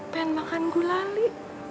pengen makan gulali